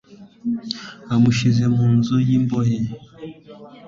amushyira mu nzu y imbohe